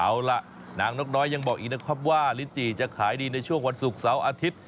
เอาล่ะนางนกน้อยยังบอกอีกนะครับว่าลิจิจะขายดีในช่วงวันศุกร์เสาร์อาทิตย์